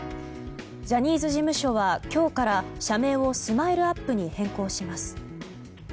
ジャニーズ事務所は今日から社名をＳＭＩＬＥ‐ＵＰ．に変更します。